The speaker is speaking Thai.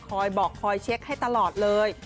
คอยบอกคอยเช็คให้ตลอดเลย